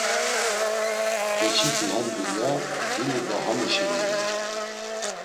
Beçiti ham dulya, himu do hamu şeni i.